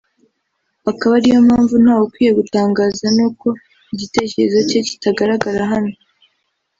akaba ariyo mpamvu ntawe ukwiye gutangazwa n’uko igitekerezo cye kitagaragara hano